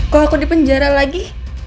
kalau aku dipenjara lagi